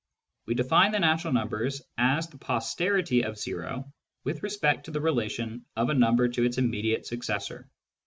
We defined the natural numbers as the " posterity " of o with respect to the relation of a number to its immediate successor.